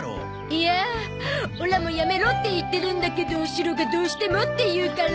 いやオラもやめろって言ってるんだけどシロがどうしてもって言うから。